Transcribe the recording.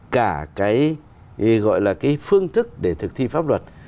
cả cái gọi là cái phương thức để thực thi pháp luật